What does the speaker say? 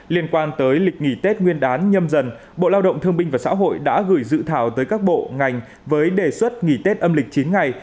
liên quan tới lịch nghỉ tết nguyên đán nhâm dần bộ lao động thương binh và xã hội đã gửi dự thảo tới các bộ ngành với đề xuất nghỉ tết âm lịch chín ngày